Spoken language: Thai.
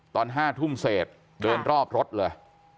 ตอน๕ทุ่มเศษเดินรอบรถเลย